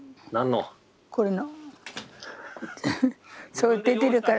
それ出てるから。